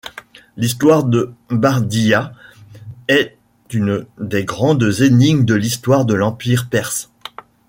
L'histoire de Bardiya est une des grandes énigmes de l'histoire de l'empire perse.